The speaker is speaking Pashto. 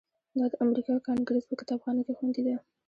دا د امریکا کانګریس په کتابخانه کې خوندي ده.